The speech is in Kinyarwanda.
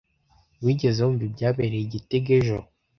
Wigeze wumva ibyabereye i gitega ejo?